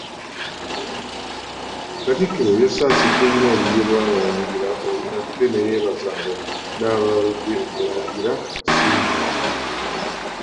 Katikkiro yasaasidde nnyo olulyo Olulangira ate ne yeebaza abo bonna ababedde Omulangira Ssimbwa.